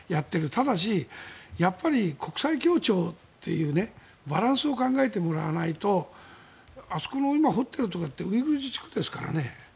ただし、やっぱり国際協調というバランスを考えてもらわないとあそこの今掘っているところだってウイグル自治区ですからね。